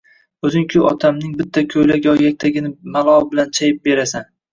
O`zing-ku, otamning bitta ko`ylak yo yaktagini malol bilan chayib berasan